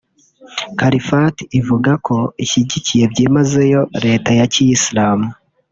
Califat ivuga ko ishyigikiye byimazeyo leta ya Kiyisiramu